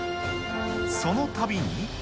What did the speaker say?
そのたびに。